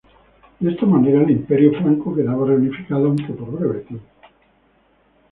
De esta manera, el Imperio franco quedaba reunificado, aunque por breve tiempo.